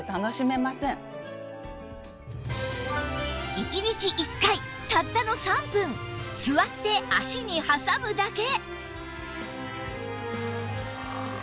１日１回たったの３分座って足に挟むだけ